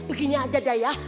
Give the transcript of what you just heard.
begini aja dah ya